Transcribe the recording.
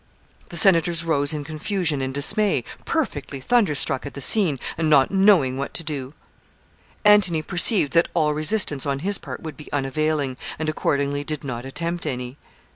The senators rose in confusion and dismay, perfectly thunderstruck at the scene, and not knowing what to do. Antony perceived that all resistance on his part would be unavailing, and accordingly did not attempt any.